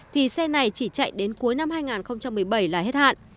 thì xe này chỉ chạy đến cuối năm hai nghìn một mươi bảy là hết hạn